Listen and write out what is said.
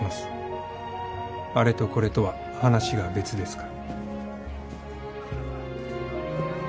あれとこれとは話が別ですから。